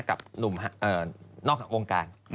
กับหนุ่มนอกวงการ